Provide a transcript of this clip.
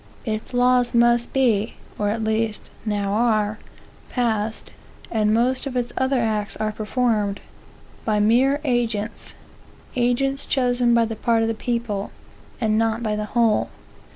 Its laws must be, (or at least now are,) passed, and most of its other acts performed, by mere agents, agents chosen by a part of the people, and not by the whole.